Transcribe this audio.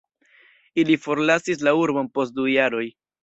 Ili forlasis la urbon post du jaroj.